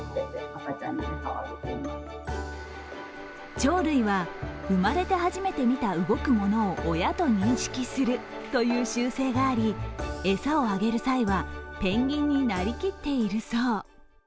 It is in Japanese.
鳥類は生まれて初めて見た動くものを親と認識するという習性があり餌をあげる際は、ペンギンになりきっているそう。